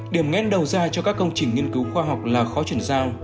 điểm ngẽn đầu ra cho các công trình nghiên cứu khoa học là khó chuyển giao